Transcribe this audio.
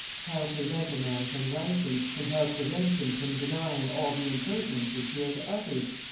How prevent a man from writing, and how prevent him from denying all the impertinences he has uttered?